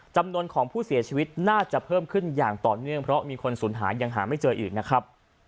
จำนวนของผู้เสียชีวิตน่าจะเพิ่มขึ้นอย่างต่อเนื่องเพราะมีคนสูญหายังหาไม่เจออีกนะครับ